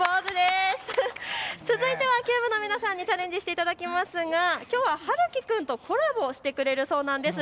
続いては球舞の皆さんにチャレンジしていただきますが、きょうは遙希君とコラボしてくれるそうなんです。